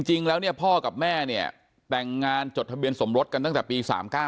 จริงแล้วเนี่ยพ่อกับแม่เนี่ยแต่งงานจดทะเบียนสมรสกันตั้งแต่ปี๓๙